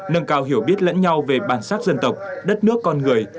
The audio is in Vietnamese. nâng cao hiểu biết lẫn nhau về bản sắc dân tộc đất nước con người